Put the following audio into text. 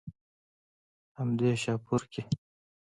هم دې شاهپور کښې